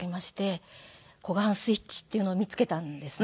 小雁スイッチっていうのを見つけたんですね。